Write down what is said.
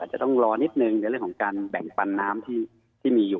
จะต้องรอนิดนึงในเรื่องของการแบ่งปันน้ำที่มีอยู่